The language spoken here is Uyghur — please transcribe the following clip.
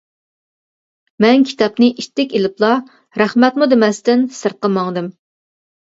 مەن كىتابنى ئىتتىك ئېلىپلا، رەھمەتمۇ دېمەستىن سىرتقا ماڭدىم.